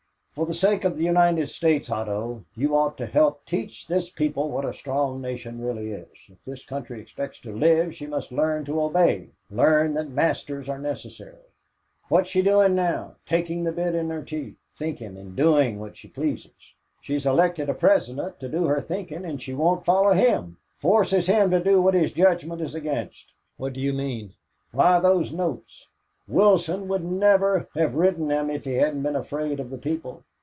For the sake of the United States, Otto, you ought to help teach this people what a strong nation really is. If this country expects to live she must learn to obey learn that masters are necessary. What's she doing now? taking the bit in her teeth thinking and doing what she pleases. She's elected a President to do her thinking and she won't follow him forces him to do what his judgment is against." "What do you mean?" "Why, those notes. Wilson would never have written them if he hadn't been afraid of the people.